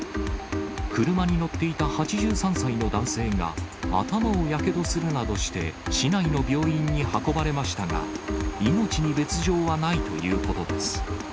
車に乗っていた８３歳の男性が、頭をやけどするなどして市内の病院に運ばれましたが、命に別状はないということです。